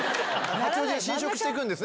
八王子に侵食していくんです